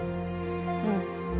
うん。